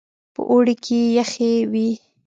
په اوړي کې يخې وې.